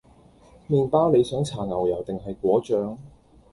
麵包你想搽牛油定係果醬？